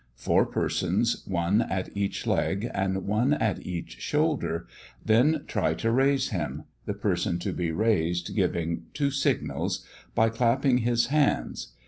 Four persons, one at each leg, and one at each shoulder, then try to raise him the person to be raised giving two signals, by clapping his hands.